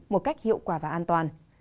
một cách hiệu quả và an toàn